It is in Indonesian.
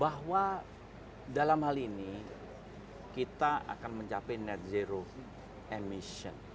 bahwa dalam hal ini kita akan mencapai net zero emission